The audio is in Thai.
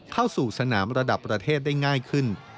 เข้าสู่สนามระดับประเทศได้ง่ายขึ้น